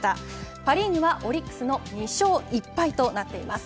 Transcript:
パ・リーグは、オリックスの２勝１敗となっています。